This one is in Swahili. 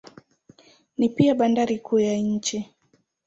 Ni pia bandari kuu ya nchi.